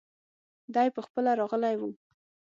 دی پخپله راغلی وو.